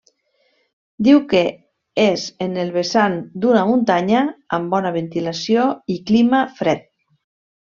Diu que és en el vessant d'una muntanya, amb bona ventilació i clima fred.